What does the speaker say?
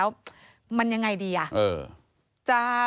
เผื่อเขายังไม่ได้งาน